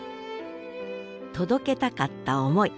届けたかった思い。